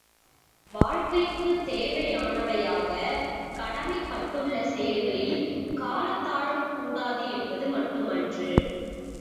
வாழ்க்கைக்குத் தேவையானவையாகக் கடமைப்பட்டுள்ள செயல்களில் காலத் தாழ்வு கூடாது என்பது மட்டு மன்று.